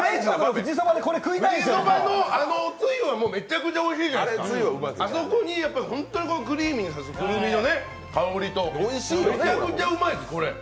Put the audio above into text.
富士そばのつゆはめちゃくちゃおいしいじゃないですか、あそこにくるみの香りと、めちゃくちゃうまいです、これ。